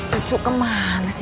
yah sudah kul stones